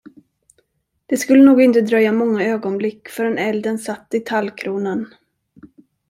Det skulle nog inte dröja många ögonblick, förrän elden satt i tallkronan.